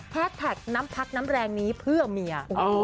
แท็กน้ำพักน้ำแรงนี้เพื่อเมีย